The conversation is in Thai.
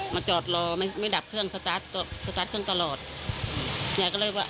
มาจอดรอไม่ไม่ดับเครื่องสตาร์ทสตาร์ทเครื่องตลอดยายก็เลยว่า